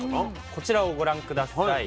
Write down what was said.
こちらをご覧下さい。